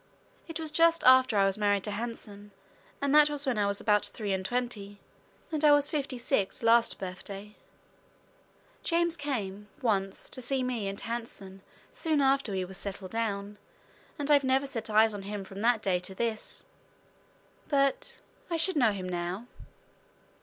It was just after I was married to Hanson, and that was when I was about three and twenty, and I was fifty six last birthday. James came once to see me and Hanson soon after we was settled down, and I've never set eyes on him from that day to this. But I should know him now."